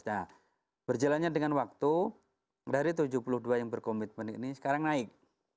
nah berjalannya dengan waktu dari tujuh puluh dua yang berkomitmen ini sekarang naik